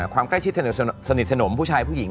ความใกล้ชิดสนิทสนมผู้ชายผู้หญิง